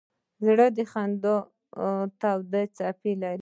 زړه د خندا تودې څپې لري.